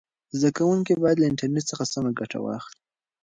زده کوونکي باید له انټرنیټ څخه سمه ګټه واخلي.